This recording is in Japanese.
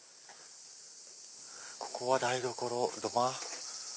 ここが台所土間。